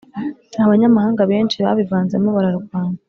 abanyamahanga benshi babivanzemo bararwana